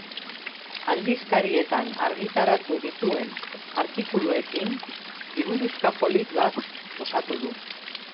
Aldizkarietan argitaratu dituen artikuluekin liburuxka polit bat osatu du.